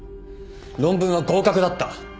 論文は合格だった。